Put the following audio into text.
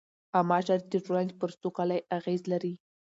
عامه چارې د ټولنې پر سوکالۍ اغېز لري.